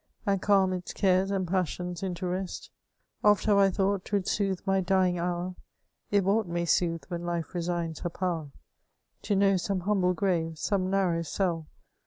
And calm its cares and passions into rest. Oft have I thought 'twould soothe my dying hour — If aught may soothe when life resigns her power — To know some humble grave, some narrow cell.